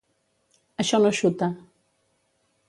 Això no xuta.